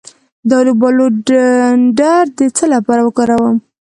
د الوبالو ډنډر د څه لپاره وکاروم؟